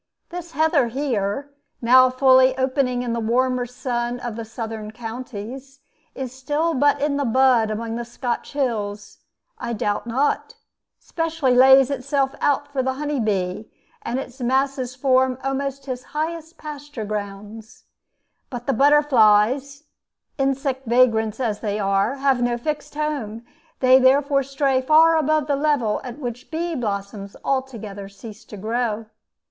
This heather here, now fully opening in the warmer sun of the southern counties it is still but in the bud among the Scotch hills, I doubt not specially lays itself out for the humble bee, and its masses form almost his highest pasture grounds; but the butterflies insect vagrants that they are have no fixed home, and they therefore stray far above the level at which bee blossoms altogether cease to grow.